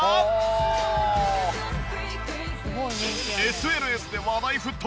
ＳＮＳで話題沸騰！